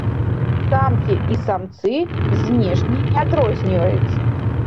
Самкі і самцы знешне не адрозніваюцца.